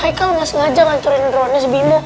haikal gak sengaja ngancurin dronnya si bimu